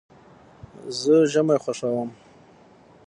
زه ژمی خوښوم.